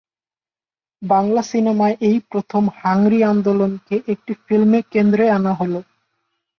বাংলা সিনেমায় এই প্রথম হাংরি আন্দোলনকে একটি ফিল্মে কেন্দ্রে আনা হল।